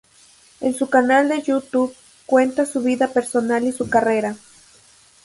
En su canal de YouTube cuenta su vida personal y su carrera.